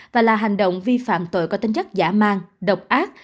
và là hành động vi phạm tội có tính chất giả mang độc ác